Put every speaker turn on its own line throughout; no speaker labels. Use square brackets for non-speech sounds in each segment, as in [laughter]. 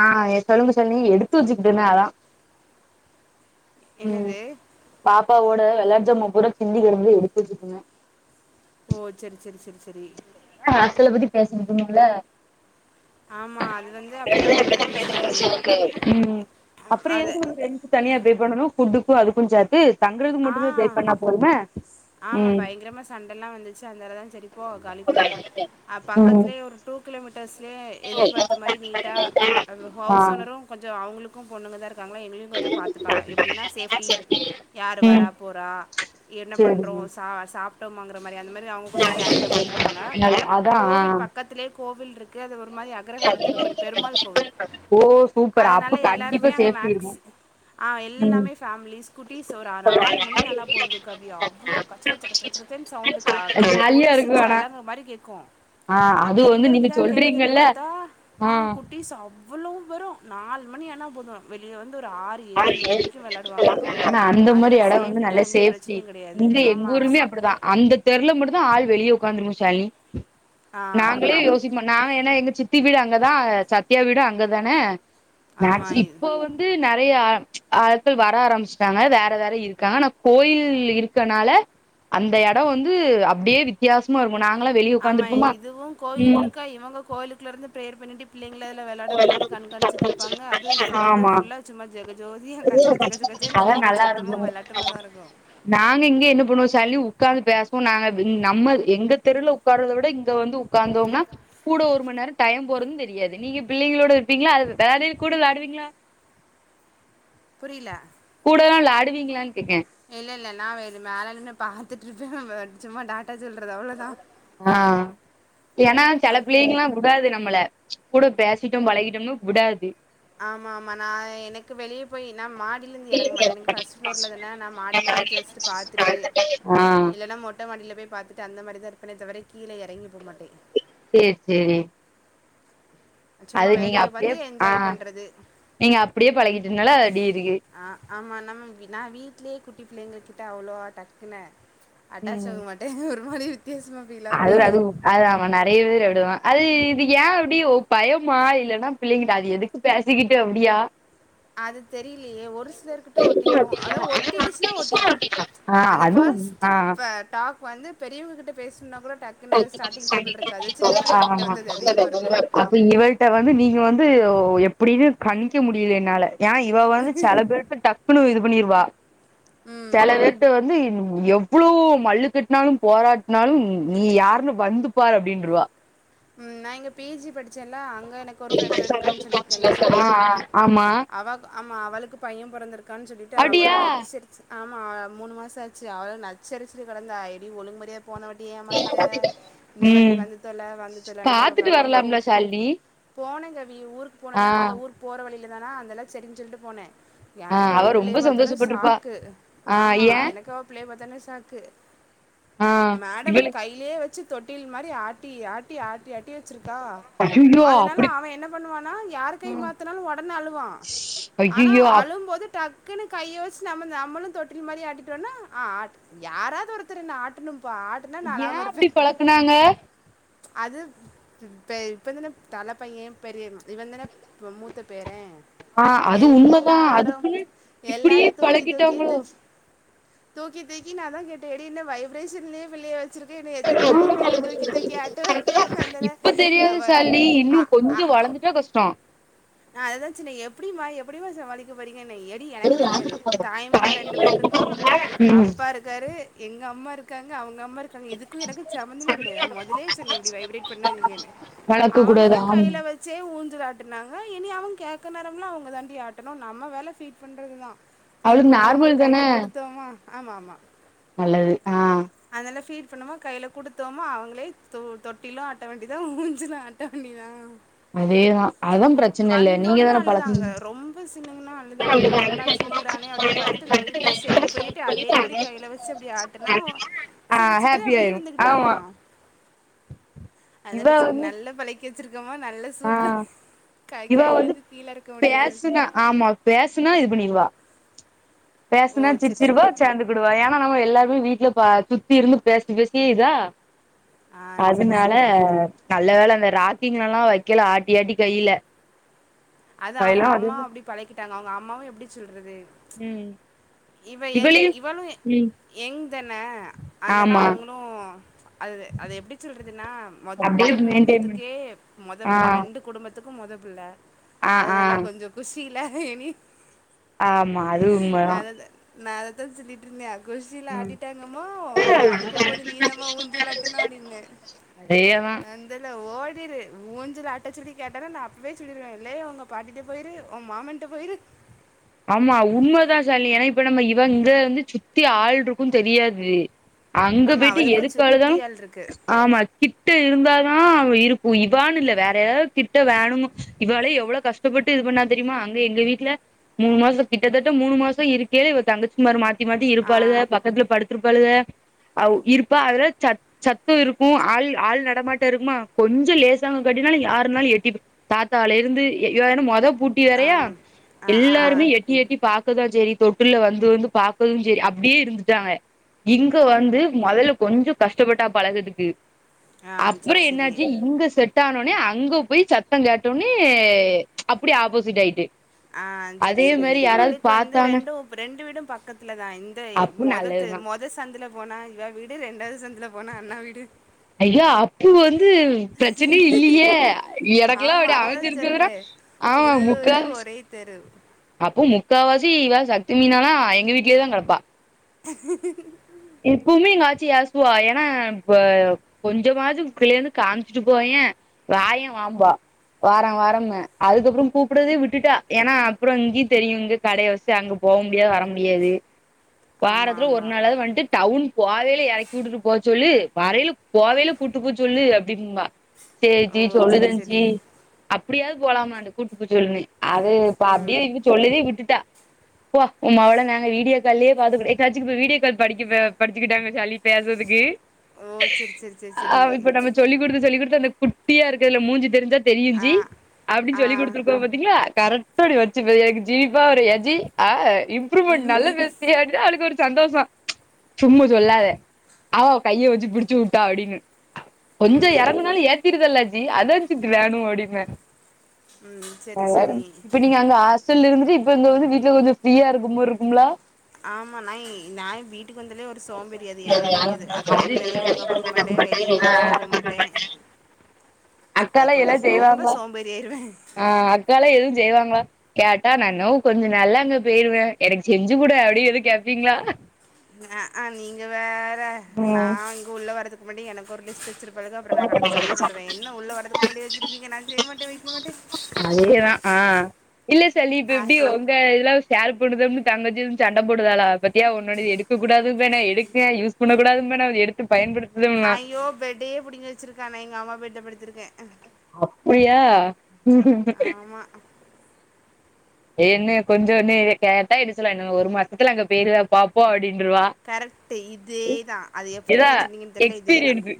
ஆ எ தொல்லுங்க சொழி எடுத்து வச்சுக்கிட்ற்ந்ந அதா ம்
என்னது
பாப்பாவோட வெளாட் ஜாமா புறா சிந்தி கெடந்து எடுத்துவச்ருக்கங்க
ஓ செரி செரி செரி செரி
ஆ அசல பத்தி பேசணு புனு புல
ஆமா அது வந்து அப்படிதான் போயிட்டு இருந்துச்சு எனக்கு
ம் அப்புறோ ஏது
அது
ஒரு ரெண் தனியா பே பண்ணனு புட்டுக்கு அதுக்கு சேத்து தங்குறதுக்கு
ஆ
மட்டுமே பே பண்ணா போதுமே ம்
சண்டல்லா வந்துச்சு அந்தாலதா செரிப்போ காலி பண்ணு அ
ம்
பக்கத்துலயே ஒரு டூ கிலோமீட்டர்ஸ்லே எதிர்பாத்த மாரி நீட்டா அந்த
ஆ
ஹவுஸ் ஓனரு கொஞ்சோ அவுங்களுக்கு பொண்ணுங்க தா இருக்காங்களா எங்களையு கொஞ்சோ பாத்துப்பாங்க எப்டின்னா சேப்டி யாரு வரா
ம்
போற என்ன பண்றோ
சேரிங்க
சா சாப் ங்க வாங்கற மாரி அந்த மாரி அவுங் கொஞ்ச கேரிங்கா பா்த்தப்பாங்க
நல்ல அதா
கோவில் பக்கத்திலே கோவில்ட்ருக்கு அது ஒரு மாரி அக்ரஹார தெரு மாரி பெருமாள் கோவில்
ஓ சூப்பர் அப்ப
அதனால
கண்டிப்பா
எல்லாருமே அங்க
சேஃப்டி இருக்கு
மேக்ஸ் ஆ
ம்
எல்லாமே ஃபேமிலிஸ் குட்டிஸ் ஒரு நாலு மணி ஆனா போது கவி அவ்ளோ கச்ச கச்ச கச்ச கச்ச கச்சேனு சவுண்டு கா
ஜாலியா
கொலுசு
இருக்கு ஆனா
சலக்கா மாரி கேக்கு
ஆ அது வந்து நின்னுச்
பாத்த ஆ குட்டிஸ் அவ் ளோ வேரு நாலு மணி ஆனா போது வெளிய வந்து ஒரு ஆறு ஏழு மணி வரைக்கு வெளாடுவாங்க
ஆனா அந்த மாரி எடோ வந்து நல்ல சேஃப்டி
கிடையாது
இங்க எங்க
ஆமாம் ஆஃப்
ஊருமே
சார்.
அப்டிதா அந்த தெருல மட்டு்தா ஆள் வெளிய உக்காந்துருக்கு சால்னி
ஆ
நாங்களே யோ ஸ்சிக் மாட்டோ நா ஏனா எங்க சித்தி வீடு அங்கதா சத்தயா வீடு அங்கதான மேக்ஸ்
ஆமாம்
இப்போ வந் து நெறைய ஆட்கள் வர ஆரம்பிச்சிட்டாங்க வேற வேற இருக்காங்க ஆனா கோயில் இருக்கனால அந்த எடோ வந்து அப்டியே வித்தியாசமா இருக்கு நாங்களா வெளிய உக்காந்துருப்பமா ம்
இவுங்க கோயிலுக் ட்லருந்து பிரேயர் பண்ணிட்டு பிள்ளைங்ல அதுல வெளாட விட்டுட்டு கண்காணிச்சிட்டு இருப்பாங்க அது தெரு
ஆமா
ஃபுல்லா சும்மா ஜெக ஜோதி கச்ச கச்ச கச்ச க ச்ச
அதா
பிள்ளைங்க
நல்லா இருக்கு
சத்தமு வெளயாட்டுமா தா இருக்கு
நாங்க இங்க என்ன பண்ணுவோ சாலினி உக்காந்து பேசுவோ நாங்க [unintelligible] நம்ம எங்க தெருல உக்காரத விட இங்க வந்து உக்காந்தோம்னா கூட ஒரு மண் நேரோ டைம் போறதுந் தெ தெரியாது நீங்க பிள்ளைகளோட இருப்பீங்களா அதது விளாடு கூட விளாடுவீங்ளா
புரிய்லா
கூடலா விளாடுவீங்ளான்னு கேக்கே
இல்லல்ல நா [unintelligible] மேல நின்னு பாத்துட்ருப்பே [unintelligible] சும்மா டே ட்டா சொல்றது அவ்
ஆ ஏனா செல
மத்த
பிள்ளைகலா உடாது நம்மள கூட பேசிட்டோ பழகிட்டோம்னு விடாது
ஆமா ஆமா நா எனக்கு வெளியே போய் நா மாடியிலேந்து எறங்க மாட்டே எனக்கு ஃபர்ஸ்ட் ஃப்ளோர்ல தான நா மாடியிலருந்து ஜஸ்ட் பாத்துட்டு
ஆ
இல்லன்னா மொட்ட மாடில போய் பாத்துட்டு அந்த மாரி தா இருப்பேனே தவிர கீழ எறங்கி போ மாட்டே
சேர் சேரி
சும்மா
அது நீங்க
வேடிக்கை
அப்டியே
பார்த்து
ஆ
என்ஜாய் பண்ணுறது
நீங்க அப்டியே பழகிட்டனால அது அப்டியேருக்கு
ஆ ஆமா நம்ம நா வீட்லயே குட்டி பிள்ளைங்க கிட்ட அவ்ளவா டக்குனு அட்டாச்
ம்
ஆக மாட்டே ஒரு மாரி வித்தியசமா
அது அதும் அதா நெறைய பேர் அப்டிதா அது இது ஏ அப்டி ஒ பயமா இல்லன்னா பிள்ளைங்கிட்ட அது எதுக் கு பேசிக்கிட்டு அப்டியா
அது தெரியலயே ஒரு சிலர்கிட்ட ஒட்டிக்குவோ அதா ஒட்டிடுச்சுன்னா ஒட்டிக்கு
ஆ
அந்த
அதுவும்
ஃபஸ்ட்
ஆ
ப டாக் வந்து பெரியவங்ககிட்ட பேசும்னா கூட டக்
ஆமா
வந்து அது அதிகமாக இருக்கும்
அப்ப இவள்ட்ட வந்து நீங்க வந்து எப்டின்னு கணிக்க முடியல என்னால ஏ இவ வந்து செல பேர்ட்ட டக்குன்னு இது பண்ணிருவா
ம்
செல பேருட்ட வந்து எவ்ளோ மல்லு கட்னாலு போராட்னாலு நீ யாருன்னு வந்துப்பாரு அப்டின்ட்ருவா
ம் நா இங்க பி ஜி படிச்சேலா அங்க எனக் கு ஒரு ஃப்ரண்டு இருக்கான் சொல்லியிருக்கேல சுபி
ஆ ஆமா
அவ ஆமா அவளுக்கு பையே பொறந்திருக்கான் சொல்லிட்டு அவளு
அப்டியா
நச்சரிச்சி ஆமா மூணு மாச ஆச்சு அவளு நச்சரிச்சுட்டு கடந்த ஏடி ஒழுங்கு மரியா போன வாட்டி ஏமாத்திட்டே இந்த வாட்டி
ம்
வந்து தோல வந்து தோல நா
பாத்துட்டு
அப்ப இப்போ
வரலாம்ல ஷாலினி
போன கவி ஊருக்கு
ஆ
போனேனா அந்தல ஊரு போற வழியில தானா அதுநால்ல செரிஞ்சொல்லிட்டு போனே
ஆ
எனக்க அவ
ரொம்ப
பிள்ளைய பாத்தோனா
சந்தோஷப்பட்ருப்பா
சாக்கு
ஆ
ஆமா
ஏ
எனக்கு அ பிள்ளைய பாதோனே சாக்கு
ஆ
மேடம்
இவளு
கை லே வச்சு தொட்டில் மாரி ஆட்டி ஆட்டி ஆட்டி ஆட் ட்டியே வச்சிருக்கா
ஐயையோ
அதனால
அப்டி
அவ என்ன பண்ணுவானா யார் கை
ம்
மாத்துனாலு ஒடனே அழுவா ஆனா
ஐயையோ அப்
அழும் போது டக்குன்னு கைய வச்சு நம்ம நம்மளு தொட்டில் மாரி ஆட்டிட்டோன்னா ஆ ஆட் யாராவது ஒருத்தர் என்ன ஆட்டணும்ப்பா ஆ
ஏ அப்டி பழக்குனாங்க
அது இப்ப இப்பந்தான தலை பையே பெரியவ இவதான மூத்த பேரே
ஆ அது உண்மதா
எல்லாரு
அதுக்குன்னு இப்டியே
எல்லாரு தூக்கி தூக்கி
பழக்கிட்டாங்களோ
தூக்கி தூக்கி தூக்கி நா அதா கேட்ட ஏடி வாய்ப்ரேஷன்லயே பிள்ளை வச்சிருக்க இன்னு எத்தன நாளைக்குடி நீ தூக்கி தூக்கி ஆட்டுவ அந்த
இப்ப தெரியாது
அவ
ஷாலினி இன்னு
அ அ
கொஞ்சோ வளந்துட்டா கஷ்டோ
நா அதுதா சொன்ன எப்புடிமா எப்புடிமா சமாளிக்க போறீங்கனு எ டின் எனக்கு தெரியாது தாய்மாம ரெண்டு பேர் இருக்கா
ம்
அப்பா இரு க்காரு எங்க அம்மா இருக்காங்க அவுங்க அம்மா இருக் காங்க இதுக்கு எனக்கு சமந்தமவே கெடையா நா மொதலே சொன்ன இப்படி வைப்ரேட் பண்ணாதீங்கன்னு
வளக்க கூடாது
அவுங்கதா
ஆமா
கையில வச்சே ஊஞ்சள் ஆட்டுனாங்க அ இனி அவுங்க கேட்க நேரம்லா அவங்க தாண்டி ஆட்டணு நம்ம வேல ஃபீட் பண்றதுதா ஃபீட்
அவளுக்கு
பண்ணோமா
நார்மல் தான
கையில குடுத்தோமா ஆமாமா
நல்லது ஆ
அதனல்லா ஃபீட் பண்ணமா கையில குடுத்தோமா அவுங்களே தொ தொட்டிலு ஆட்ட வேண்டியதுதா ஊஞ்சலு டோண்டிதா
அதேதா
ஏ
அதா பிரச்சன இல்ல நீங்க
வந்தோடனே
தான
அலுதாங்க
பழக்குனீங்க
ரொம்ப சினுங்கன்னா அலுதா அந்தல என்னடா சினுங்குறானே அப்படின்னு பாத்தட்டு ட்டு லைட்டா ஷேக் பண்ணிட்டு அதே மாதிரி கையில வச்சு அப்படி ஆட்டுனா
ஆ
சிரிச்சிட்டு
ஹாப்பி
அப்படி
ஆயிரு
இருந்துக் ட்டா
ஆமா இவ
அதெல்ல
வந்து
நல்ல பழக்கி வச்சிருக்கோமா நல்ல
ஆ
சூப்பரு அது
இவ வந்து
கையிலருந்து கீழேருக்க முடியாது
பேசுனா ஆமா பேசுனா இது பண்ணிருவா பேசுனா
ஓ சரி
சிரிச்சிருவா
சரி
சேந்துக் குடுவா ஏன்னா நம்ம எல்லாருமே வீட்ல பா சுத்திருந்து பேசி பேசியே இதா
ஆ சரி
அதுனால
சரி
நல்ல வேல அந்த ராக்கிங்கல்லா வைக்கல ஆட்டி ஆட்டி கையில
அது அவுங்க
கையெல்லா
அம்மா
அதுன்னு
அப்படி பழகிட்டாங்க அவங்க அம்மாவு எப்படி சொல்றது
ம்
இவ எங்
இவளையு
இவளு
ம்
எங்கு தான அதனால
ஆமா
அவங்களு அது அது எப்பிடி சொல்றதுன்னா
அப்டியே
மொத்த
மெயின்டெய்ன் பண்
குடும்பத்துக்கே மொத
ஆ
புள்ள ரெண்டு குடும்பத் த்துக்கு மொதப்புள்ள
ஆ ஆ
அதனால கொஞ்சோ குஷில எனி
ஆமா அது உண்மதா
நா அததா சொல்லிட்டுருந்தே குஷில
ம்
ஆட்டிட்டாங்கம்மோ அங்க அனுப்பும் போது நீதாமா ஊஞ்சலாட்டணு அப்படின்ன
அதேதா
அந் இதல்ல ஓடிரு ஊஞ்சல் ஆட்ட சொல்லி கேட்டன்ன நா அப்பவே சொல்லிடுவே ளேயி உங்க பாட்டிட்ட போயிரு ஊ மாமன்ட்ட போயிரு
ஆமா உண்மதா சால் ஏன்னா இப்ப நம்ம இவ இங்க வந்து சுத்தி ஆள்ருக்கு தெரியாது அங்க
ஆமா
போய்ட்டு
அவளுக்கு
எதுக்கு அழுதா
சுத்தி ஆள் இருக்கு
ஆமா கிட்ட இருந்தாதா அவ இருக்கு இவான்னு இல்ல வேற எதாவது திட்ட வேணும்மு இவாலே எவ்ளோ கஷ் டப்பட்டு இது பண்ணா தெரிமா அங்க எங்க வீட்ல மூணு மாசோ கிட்டத்தட்ட மூணு மாசோ இருக்கேல இவ தங்கச்சிமார் மாத்தி மாத்தி
ஆ
இருப்பாளுக கப் பெட்ல படுத்துருப்பாழுக அவ் இருப்பா அதுல சட் சத்தோ இருக்கு ஆள் ஆள் நடமாட்டே இருக்குமா கொஞ்சோ லேசாங்க கட்டினாலு யாருனாலு எட்டிட்டு தாத்தால இருந்து எ எ மொத பூட்டி வேறயா
ஆம் ஆ ஆ
எல்லா
ஆ
எட்டி எட்டி பாக்கதா செரி தொட்டுல்ல வந்து வந்து பாக்கவு செரி அப்டியே இருந்துட்டாங்க இங்க வந்து மொதல்ல கொஞ்சோ கஷ்டப்பட்டா பழகதுக்கு
ஆ
அப்பறோ
சரி சரி
என்னாச்சு இங்க செட் டானோன்னே அங்க போய் சத்தோ கேட்டோன்னே அப்படியே ஆப்போசிட் ஆயிட்டு
ஆ செரி
அதே
செரி
மாரி யாராவது
இவளுக்கு வந்து
பாத்தாங்க
ரெண்டூ ஃப்ரெண்ட் வீடு பக்கத்துலதா இந்த
அப்பு
மொத தெ
நல்லதுதா
மொ சந்துல போனா எங்க வீடு ரெண்டாவது சந்தல போனா அண்ணா வீடு
ஐயா அப்பு வந்து ப்ரெச்சன்னே இல்லியே எனக்குலா
ஆமா
அப்டி
அதுதான்
அமஞ்சிருக்குனா
சொல்றே
ஆமா
உள்ளூரு
முக்காவாசி
ஒரே தெரு
அப்போ முக்காவாசி இவ சக்தி மீனானா எங்க வீட்லயே தா கெடப்பா இப்போமே எங்க ஆட்சி ஏசுவா ஏன்னா இப்ப கொஞ்சமாது உ புள்ளய வந்து காம்ச்சுட்டு போயே வாயே வாம்பா வாரா வாரம்மு அதுக்கப்பறம் கூப்புடதே விட்டுட்டா ஏனா அப்பறோ இங்கியுத் தெரியு இங்கக் கடைய வச்சு அங்க போக முடியாது வர முடியாது
ஆமா
வாரத்துல ஒரு
ஆமா
நாளாவது வன்ட்டு டவுன் போவயில எறக்கி விட்டுட்டு போ சொல்லு வரைய்ல போவயில கூட்டு போ சொல்லு அப்டின்ம்பா சேரிச்சி
ஓ சரி
சொல்லுதன்சி
சரி
அப்டியாவது போலாமானு கூட்டுக்குச் சொல்லுவேன் அது இப்ப
ம்
அப்டியே இழு சொல்லிதே விட்டுட்டா போ உ மவளே நாங்க வீடியோ கால்லயே பாத்துகிடு எப்யோவாச்சு வீடியோ கால் படி இவ படிச்சுக்கிட்டாங்க சால்னி பேசறதுக்கு
ஓ சரி சரி சரி
ஆ
சரி
இப்ப நம்ப சொல்லி குடுத்து சொல்லி குடுத்து அந்த குட் டியா இருக்குதுல மூஞ்சு தெரிஞ்சா தெரிஞ்சி
ஆ
அப்டின்னு
ஆ
சொல்லி குடுத்துருப்பா பாத் திங்ளா கரெக்டோடி வெச்சுபே எனக்கு ஜீப்பா ஒரு யஜ்ஜி அ இப் இம்ப்ரூவ்மெண்ட் நல்ல பேஸ்றீங்க அப்டினா அவளுக்கு ஒரு சந்தோஷோ சும்மு சொல்லாத ஆவாவ் கைய வெச்சு பிடிச்சு வுட்டா அடின்னு கொஞ்சோ எறங்கனாலு ஏத் விக்கிறதல்ல ஜி அதான்ஜி க்ரானு அப்டின்பே
ம் சரி சரி
[unintelligible] இப்ப நீங்க அங்க ஹாஸ்டல்ல இருந்துட்டு இப்ப இங்க வந்து வீட்ல கொஞ்ச ஃப்ரீயா இருக்கும்மார் இருக்கும்ளே
ஆமா நை நா வீட்டுக்கு வந்தாலே ஒரு சோம்பேரி அது ஏந் தெரியாது அகாடமி வேலையு ஒழுங்கா பாக்க மாட்டே வெளியு ஒழுங்கா போ மாட்டே அது
அக்காலா எல்லாம்
கொஞ்சச ரொம்ப சோம்பேறி ஆயிருவே
வேல எதுவு செய்வாங்ளா கேட்டா நா இன்று கொஞ்ச நாள்ள அங்க போயிருவே எனக்கு செஞ்சு குடே அப்டி எத கேப்பீங்ளா
அ ஆ நீங்க வேற நா இங்க உள்ள வரதுகு மட்டு எனக்கொரு லிஸ்ட்டு வெச்சிருப் பழுக அப்றோ நா கெடந்து சண்ட போடுவே என்ன உள்ள வரதுக்குறன்டி வெச்சிருக்கீங்க நா செய்ய மாட்டே வெக்க மாட்டே
அதேதா ஆ இல்ல செல்வி இப்ப
ஆ,
எப்டி வரு பியே இதுலா அவெ ஷேர்ப் பண்ணுதம்னு தங்கச்சியும் சண்ட போடுதாலா பத்தியா ஒன்னோடையது எடுக்கக்கூடாதும்பே நா எடுத்தே யூஸ் பண்ணக்கூடாது [unintelligible] எடுத்து பயன்படுத்
ஐயோ பெட்டியே புடிங்கி வெச்சிருக்கா அவே எங்க அம்மா பெட்ட படுத்திருக்கே
அப்பயா
ஆமா
ஏன்னு கொஞ்சோன்னு கேட்டா என்ன சொல்வா இன்னு ஒரு மாசத்துல அங்க பேருவே பாப்போ அப்டின்ருவா
கரெக்ட்டு இதேதா அது எப்டி
இதா
நீங்க சொன்னீங்கன் தெர்ல இதேதா
எக்ஸ்பீரியன்ஸு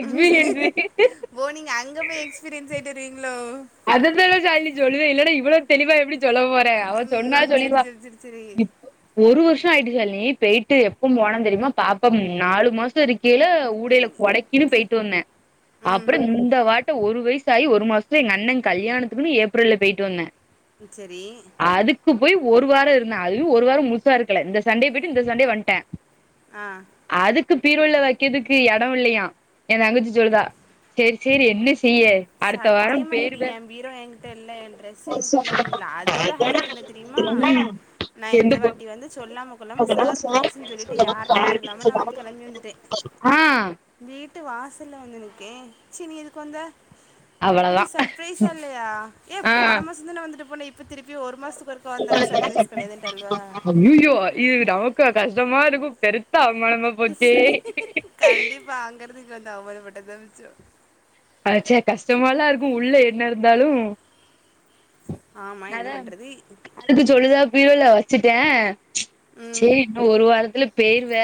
எக்ஸ்பீரியன்ஸு
ஓ நீங்க அங்க போய் எக்ஸ்பீரியன்ஸ் ஆயிட்டு இருவீங்களோ
அதுந்தா சாலி சொல்லுவே இல்லனா இவலே தெளிவா எப்டி சொல்ல போறேன் அவன் சொன்னா
ம் சரி
சொல்லிருவா
சரி சரி சரி
இப் ஒரு வருஷம் ஆயிடுச்சால நீ போய்டிட்டு எப்பவும் போனா தெரியுமா பாப்பா நாலு மாசம் இருக்கேல கூடையில கொடைக்கின்னு போயிட்டு வந்தேன் அப்பறம் இந்த வாட்டை ஒரு வயசாகி ஒரு மாசத்துல எங் அண்ணன் கல்யாணத்துக்குன்னு ஏப்ரல்ல போய்ட்டு வந்தேன்
செரி
அதுக்கு போய் ஒரு வாரோ இருந்தா அதுயு ஒரு வாரம் முழுசா இருக்கல இந்த சண்டே போயிட்டு இந்த சண்டே வன்ட்டே
ஆ
அதுக்கு பீருள்ள வைக்கறதுக்கு எடோ இல்லையா என் தங்கச்சி சொல்றா செரி செரி என்ன செய்ய வாரோ
சத்தியமா இ
பேயிருவே
ஏ பீரோ ஏங்க்கிட்ட இல்ல ஏ ட்ரெஸ் ஏங்கிட்ட இல்ல ஓன் அதோட ஹைலைட் என்ன தெரிமா நா
எந்த
இந்த
பொ
வாட்டி வந்து சொல்லாம கொல்லாம சேர்ப்ரைஸ்ன்னு சொல்லிட்டு யார்ட்டயையூ சொல்லாம நா வந்து கெளம்பி வந்துட்டே
ஆ
வீட்டு வாசல்ல வந்து நிக்கே சீ நீ எதுக்கு வந்த எப்படி
அவ்ளோதா
சர்ப்ரைஸா இல்லயா ஏ
ஆ
போன மாசோ தான வந்துட்டு போன இப் ப திருப்பி ஒரு மாசத்துக்கு ஒருக்கா வந்தன்னா சர்ப்ரைஸ் கெடையாதுன்ட்டாழுவ
ஐய்யய்யோ இது நமக்கா கஷ்டமா இருக்கு பெருத்த அவமானமா போச்சே
வாங்கறது இங்க வந்து அவமானப்பட்டது தா மிச்சோ
அட ச்ச கஷ்டமால இருக்கு உள்ள என்ன இருந்தாலு
ஆமா என்ன
அதா
பண்றது
அதுக்கு சொல்லுதா பீரோல வச்சுட்டே
ம்
சேரி இன்னு ஒரு வாரத்துல பேயிருவ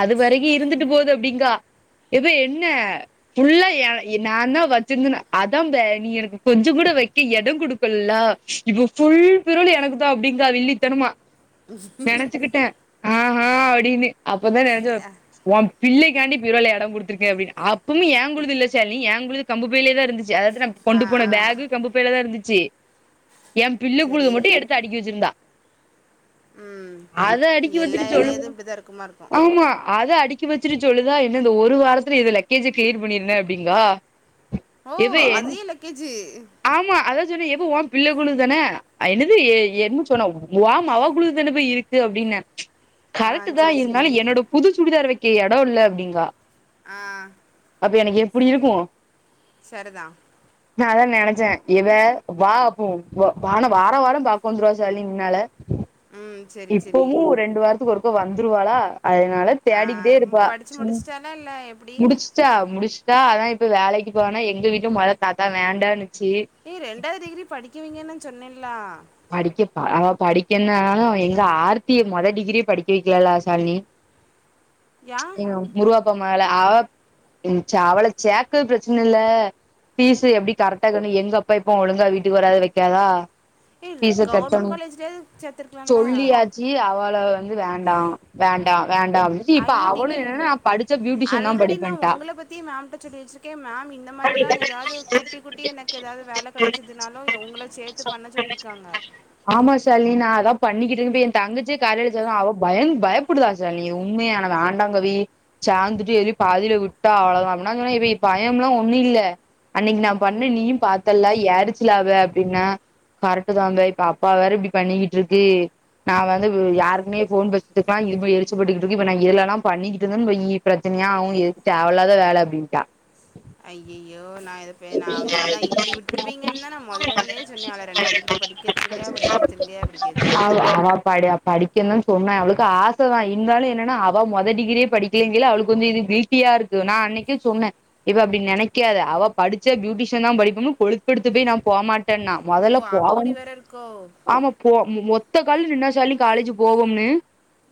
அதுவரைக்கு இருந்துட்டு போது அப்டிங்கா எப்ப என்ன புல்லா ஏ ய நா தா வச்சிருந்தன அதா ப்ள நீ எனக்கு கொஞ்சங் கூட வெக்க எடோ குடுப்பல்லா இப்ப ஃபுல் பிருள் எனக்கு தா அப்டிங்கா வில்லித்தனமா நெனச்சுக்கிட்டே ஆஹா அப்படின்னு அப்பதா நெஜோ வோ பிள்ளைக்காண்டி பீரோல எடோ குடுத்துருக்க அப்புமு ஏங்குழுது இல்ல ஷாலினி ஏங்குழுது கம்பு பைலே தா இருந்துச்சு அத எடுத்து நா
ஆ
கொண்டு போன
ஆ
பேகு கம்பு பையில தா இருந்துச்சி ஏ பிள்ள குழுது
சரி
மட்டு எடுத்து அடுக்கி வெச்சிருந்தா
ம்
அத அடிக்கி
எல்லா
வச்சுட்டு சொல்லு
இலையதும் இப்படி தான் இருக்குமா இருக்கும்
ஆமா அத அடிக் கி வெச்சிட்டு சொல்லுதா என்ன இந்த ஒரு வாரத்துல இது லக்கேஜ கிளியர் பண்ணிருனு அப்டிங்கா
ஓ
எது என்
அதே லக்கேஜு
ஆமா அதா சொன்ன ஏப்பா வோ பிள்ள குழு தான அ என்னது எ என்ன சொன்னா வோ மொவ குழு தான போயி இரு க்கு அப்டின்ன
ஆ
கரட்டு தா
சரி சரி
இருந்தாலு என்னோட புது சுடிதார் வெக்க எடோ இல்ல அப்டிங்கா
ஆ
அப்ப எனக்கு எப்படி இருக்கு
செர்தா
நா அதா நெனச்ச இவ வா அப்பூ வ வான வார வாரோ பாக்க வந்துருவா சலி முன்னால
ம் சரி சரி
இப்பவு ரெண்டு வாரத்துக்கு ஒருக்க வந்துருவாளா அதனால
ஆ
தேடிக்கிட்டே இருப்பா
படித்து
சும்
முடிச்சிட்டாலா இல்லை எப்படி
முடிச்சு முடிச்சா முடிச்சுட்டா அதா இப்ப வேலைக்கு போனா எங்க வீட்டுலயு மொத தாத்தா வேண்டானுச்சு
ஏய் ரெண்டாவது டிகிரி படிக்கவிங்கன்னு நா சொன்னேன்லா
படிக்க அவ படிக்கன்னாலு எங்க ஆர்த்தி மொத டிகிரிய படிக்க வைக்கலலா சாலினி
ஏன்
எங்க முருவாப்பா மகள அவ ம் சா அவளை சேக்க பிரச்சனை இல்ல பீஸ் எப்டி கரெக்டாக்கணு எங்க அப்பா இப்போ ஒழுங்கா வீட்டுக்கு வராது வக்காதா
இது கவர்மெண்ட் காலேஜலேயே சேத்தருக்கலால்லா
இ அவ்ள வந்து வேண்டா வேண்டா வேண்டா அப்ப
ஐ டிகிரி
தா
ஆல்ரெடி நா
படிப்பேன்ட்டா
உங்கள பத்தியே மேம்ட்ட சொல்லி வச்சிருக்கே மேம் இன்னு இந்த மாரி தா ஏதாவது குட்டி குட்டி எனக்கு எதாது வேல கெடைச்சதுனாலு உங்கள சேத்து பண்ண சொல்லியிருக்காங்க
ஆமா சாலினி நா அதா பண்ணிக்கிட்டு இருக்கே எ தங்கச்சே காலேஜில அவ பயந் பயம் ப்படுவா சாலினி உண்மையான ஆண்டாங்கவி சாந்துட்டு எத பாதில விட்டா அவ்ளம் அப்படனா சொன்னா இப்ப பயம் எல்லா ஒண்ணு இல்ல அன்னைக்கி நா பண்ண நீயு பாத்தல யாரச்சுலாவ அப்டின்னா இதுதாவே இப்ப அப்பா வேற இப்டி பண்ணிக்கிட்டு இருக்க நா வந்து யாருக்குமே போன் பேசுதுக்கலா இது எரிச்சு கெட்டுட்டு இருக்க இப்ப நா இதுல எல்லா பண்ணிகிட்டு இருந்தன்னு வையி பிரச்சனையா ஆகு எது தேவலாத வேல அப்டின்ட்டா
ஐய்யய்யோ நா
[unintelligible]
எது நான் முதல்ல இருந்தே சொன்னேன் அவளை ரெண்டாவது டிகிரி படிக்க வச்சிருங்க படிக்க வச்சிருங்க படிக்க
ஆ
வச்சிருங்க
அவா பாடியப் படிக்கதான்சொன்னே அவளுக்கு ஆசை தா இருந்தாலு என்னன்னா அவ மொத டிகிரியே படிக்கலிங்கேயில அவளுக்கு வந்து இது வீட் தீயா இருக்கு நா அன்னைக்கே சொன்ன இவ இப்ப அப்டி நெனைக்காத அவ படிச்ச பியூட்டிஷியனு தா படிப்போனு கொழுபெடுத்து போய் நா போமாட்டேனா மொதல்ல
ஓ அப்படி
போவணு
வேற இருக்கோ
ஆமா போ ஒத்த கால நின்னா சாலி காலேஜ் போவோம்னு